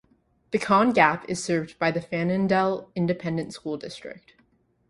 Pecan Gap is served by the Fannindel Independent School District.